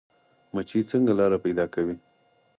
مچۍ څنګه لاره پیدا کوي؟